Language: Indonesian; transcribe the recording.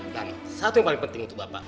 dan satu yang paling penting untuk bapak